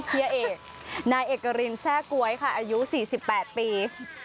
เฮียเอกนายเอกรินแทร่ก๊วยค่ะอายุ๔๘ปี